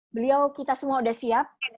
beliau kita semua sudah siap